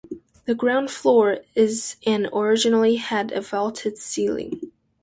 The ground floor is and originally had a vaulted ceiling.